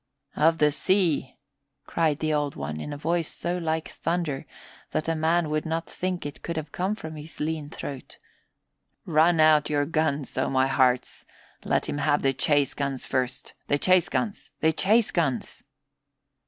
"Of the sea," cried the Old One in a voice so like thunder that a man would not think it could have come from his lean throat. "Run out your guns, O my hearts! Let him have the chase guns first. The chase guns the chase guns!"